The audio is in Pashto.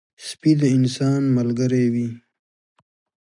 سپي د انسان ملګری وي.